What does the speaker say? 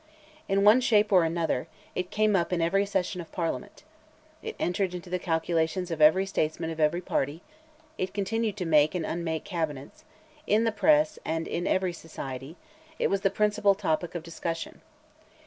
In one shape or another, it came up in every session of Parliament. It entered into the calculations of every statesman of every party; it continued to make and unmake cabinets; in the press and in every society, it was the principal topic of discussion.